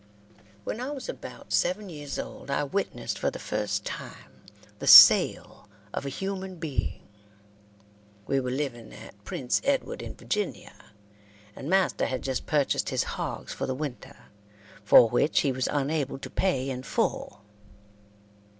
When I was about seven years old I witnessed, for the first time, the sale of a human being. We were living at Prince Edward, in Virginia, and master had just purchased his hogs for the winter, for which he was unable to pay in full.